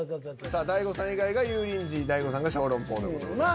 さあ大悟さん以外が油淋鶏大悟さんが小籠包という事でございます。